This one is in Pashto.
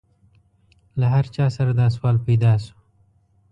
له هر چا سره دا سوال پیدا شو.